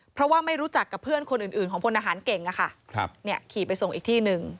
เพราะว่าไม่รู้จักกับเพื่อนคนอื่นของพลทหารเก่งขี่ไปส่งอีกที่หนึ่ง